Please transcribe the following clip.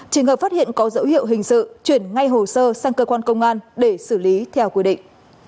trường hợp phát hiện có dấu hiệu hình sự chuyển ngay hồ sơ sang cơ quan công an để xử lý theo quy định